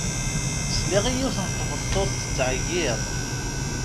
Sliɣ i yiwet n tmeṭṭut tettɛeyyiḍ.